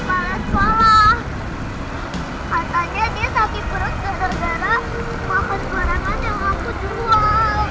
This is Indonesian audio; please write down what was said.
makan barangan yang aku jual